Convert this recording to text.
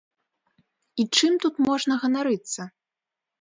І чым тут можна ганарыцца?